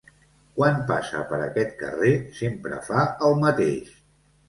Quan passa per aquest carrer, sempre fa el mateix.